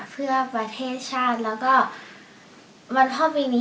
เพื่อประเทศชาติแล้วก็วันพ่อปีนี้